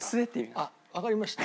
あっわかりました。